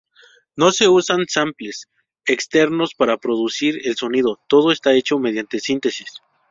No se usan samples externos para producir el sonido; Todo está hecho mediante síntesis.